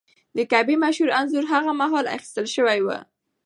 د کعبې مشهور انځور هغه مهال اخیستل شوی و.